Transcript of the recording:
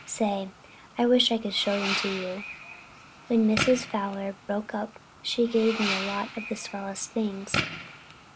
Say, I wish I could show them to you. When Mrs. Fowler broke up she gave me a lot of the swellest things.